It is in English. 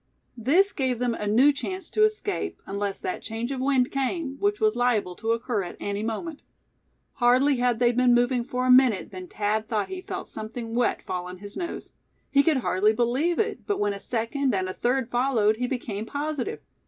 This gave them a new chance to escape, unless that change of wind came, which was liable to occur at any moment. Hardly had they been moving for a minute than Thad thought he felt something wet fall on his nose. He could hardly believe it, but when a second and a third followed, he became positive.